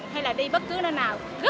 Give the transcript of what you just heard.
hay là đi bất cứ nơi nào